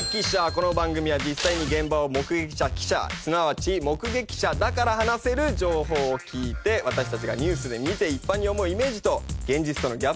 この番組は実際に現場を目撃した記者すなわち目ゲキシャだから話せる情報を聞いて私たちがニュースで見て一般に思うイメージと現実とのギャップを知ろうという趣旨になっています。